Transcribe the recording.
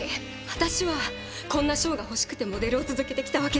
私はこんな賞が欲しくてモデルを続けてきたわけじゃない。